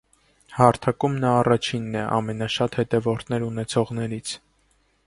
Հարթակում նա առաջինն է ամենաշատ հետևորդներ ունեցողներից։